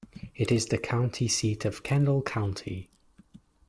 It is the county seat of Kendall County.